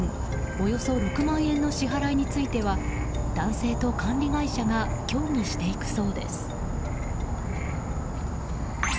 およそ６万円の支払いについては男性と管理会社が協議していくそうです。